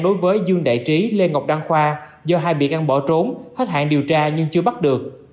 đối với dương đại trí lê ngọc đăng khoa do hai bị can bỏ trốn hết hạn điều tra nhưng chưa bắt được